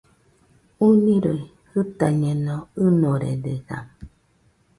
ɨniroi jɨtañeno, ɨnoredesa.